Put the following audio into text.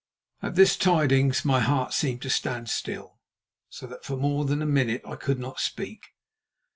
At this tidings my heart seemed to stand still, so that for more than a minute I could not speak.